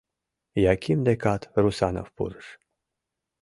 Яким декат Русанов пурыш.